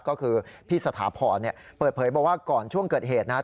ก็คือพี่สถาพรเปิดเผยบอกว่าก่อนช่วงเกิดเหตุนะครับ